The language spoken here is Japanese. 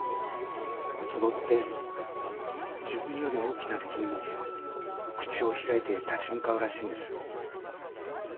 って自分より大きな敵にも口を開いて立ち向かうらしいんです。